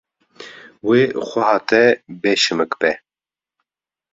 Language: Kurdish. Wê xweha te bê şimik be.